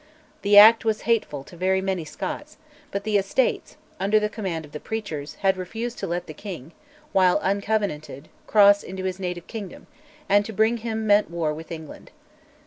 The act was hateful to very many Scots, but the Estates, under the command of the preachers, had refused to let the king, while uncovenanted, cross into his native kingdom, and to bring him meant war with England.